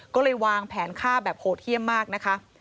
ก็เลยวางแผนฆ่าแบบโหดเยี่ยมมากนะคะ